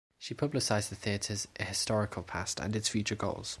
She publicized the theatre's historical past and its future goals.